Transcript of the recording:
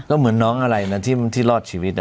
ก็เหมือนน้องอะไรนะที่รอดชีวิต